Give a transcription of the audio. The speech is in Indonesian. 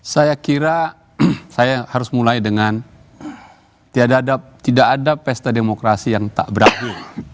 saya kira saya harus mulai dengan tidak ada pesta demokrasi yang tak berani